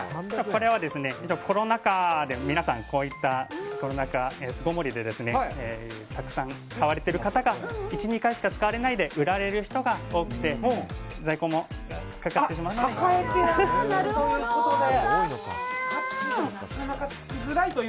これは、コロナ禍で皆さん、こういった巣ごもりでたくさん買われている方が１２回しか使われないで売られる人が多くて在庫も抱えてしまってるので。